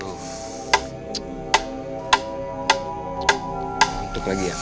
untuk lagi ya